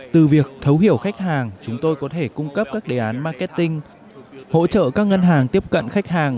từ việc thấu hiểu khách hàng chúng tôi có thể cung cấp các đề án marketing hỗ trợ các ngân hàng tiếp cận khách hàng